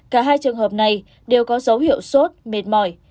cả hai trường hợp này đều có dấu hiệu sốt mệt mỏi